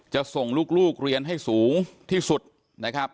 ส่งลูกเรียนให้สูงที่สุดนะครับ